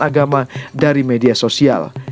agama dari media sosial